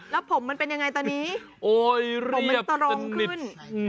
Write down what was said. แล้วผมมันเป็นยังไงตอนนี้ผมมันตรงขึ้น